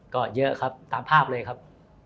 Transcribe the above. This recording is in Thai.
ก็เยอะครับตามภาพเลยครับ